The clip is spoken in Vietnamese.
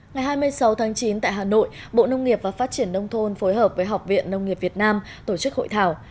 ngày hai mươi sáu tháng chín tại hà nội bộ nông nghiệp và phát triển nông thôn phối hợp với học viện nông nghiệp việt nam tổ chức hội thảo